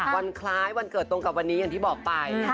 วันคล้ายวันเกิดตรงกับวันนี้อย่างที่บอกไป